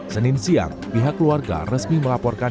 senin siang pihak keluarga resmi melaporkan